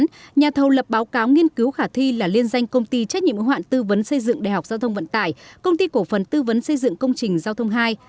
từ năm hai nghìn một mươi một nhà thầu lập báo cáo nghiên cứu khả thi là liên danh công ty trách nhiệm ưu hoạn tư vấn xây dựng đại học giao thông vận tải công ty cổ phần tư vấn xây dựng công trình giao thông ii